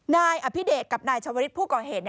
นายอภิเดชกับนายชาวริสผู้ก่อเหตุ